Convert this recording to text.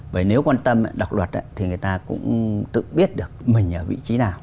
bởi nếu quan tâm đọc luật thì người ta cũng tự biết được mình ở vị trí nào